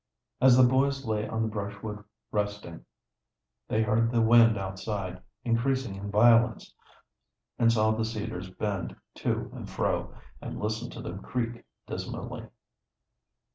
As the boys lay on the brushwood resting, they heard the wind outside increasing in violence, and saw the cedars bend to and fro, and listened to them creak dismally.